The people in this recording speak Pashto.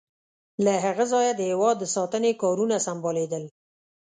له هغه ځایه د هېواد د ساتنې کارونه سمبالیدل.